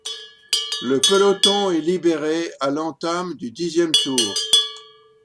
Le peloton est libéré à l'entame du dixième tour.